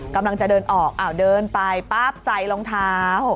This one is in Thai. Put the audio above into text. กำลังจะเดินออกเดินไปปั๊บใส่รองเท้า